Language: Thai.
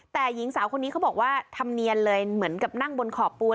แต่หญิงสาวคนนี้เขาบอกว่าธรรมเนียนเลยเหมือนกับนั่งบนขอบปูน